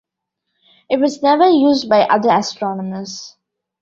It was never used by other astronomers.